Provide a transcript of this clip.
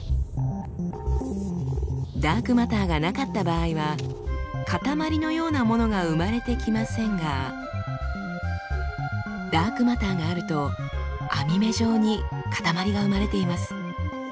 ダークマターがなかった場合はかたまりのようなものが生まれてきませんがダークマターがあると網目状にかたまりが生まれています。